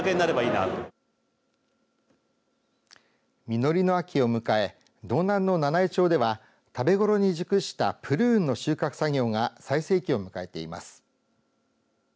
実りの秋を迎え道南の七飯町では食べ頃に熟したプルーンの収穫作業が最盛期を迎えています。